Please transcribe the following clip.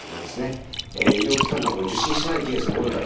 医療機関などを受診しないケースも多いかと思います。